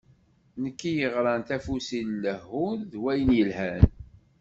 Nekk i yeɣran tafusi n lehhu d wayen yelhan.